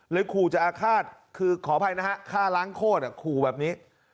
ขู่จะอาฆาตคือขออภัยนะฮะฆ่าล้างโคตรขู่แบบนี้